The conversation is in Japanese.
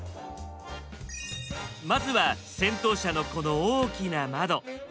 まずは先頭車のこの大きな窓。